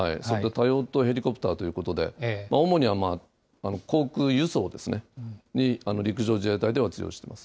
多用途ヘリコプターということで、主に航空輸送ですね、に、陸上自衛隊では使用しています。